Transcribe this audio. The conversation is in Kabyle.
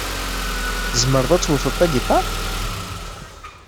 Tzemreḍ ad tewteḍ tagiṭart?